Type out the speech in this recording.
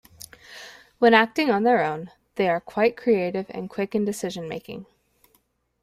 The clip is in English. When acting on their own, they are quite creative and quick in decision making.